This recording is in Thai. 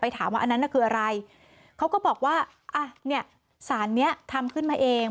ถามว่าอันนั้นน่ะคืออะไรเขาก็บอกว่าอ่ะเนี่ยสารนี้ทำขึ้นมาเอง